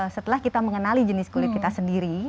setelah kita mengenali jenis kulit kita sendiri